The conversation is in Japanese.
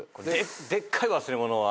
でっかい忘れ物は？